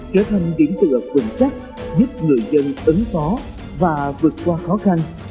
trở thành điểm tựa vững chắc giúp người dân ứng phó và vượt qua khó khăn